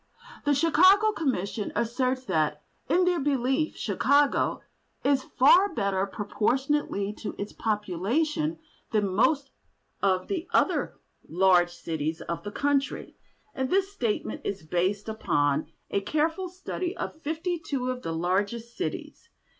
The Chicago Commission asserts that in their belief Chicago "is far better proportionately to its population than most of the other large cities of the country," and this statement is based upon a careful study of fifty two of the largest cities.